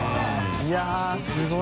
いすごい。